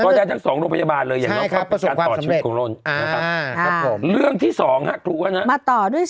ก็ได้ของสองโรงพยาบาลเลย